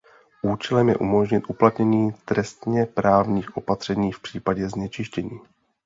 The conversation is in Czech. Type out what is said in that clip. Účelem je umožnit uplatnění trestněprávních opatření v případě znečištění.